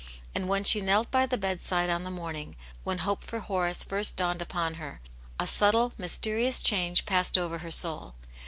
And when she knelt by the bedside on the morning when hope for Horace first dawned upon her, a subtile, mysterious change passed over her soul.